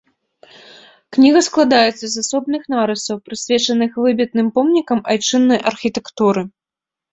Кніга складаецца з асобных нарысаў, прысвечаных выбітным помнікам айчыннай архітэктуры.